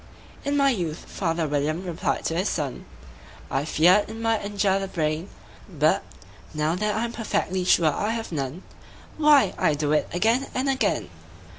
"In my youth," father William replied to his son, "I feared it might injure the brain; But, now that I'm perfectly sure I have none, Why, I do it again and again."